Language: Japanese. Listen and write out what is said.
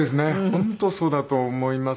本当そうだと思います。